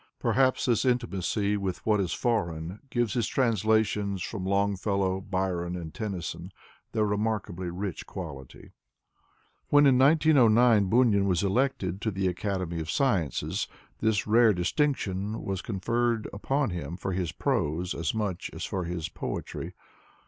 Perhaps this intimacy with what is foreign gives his translations from Longfellow, Byron and Tennyson their remarkably rich quality. When in 1909 Bunin was elected to the Academy of Sciences, this rare distinction was conferred upon him for his prose as much as for his poetry.